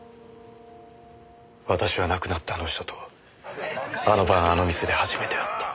私は亡くなったあの人とあの晩あの店で初めて会った。